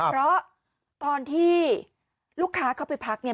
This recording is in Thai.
เพราะตอนที่ลูกค้าเข้าไปพักเนี่ย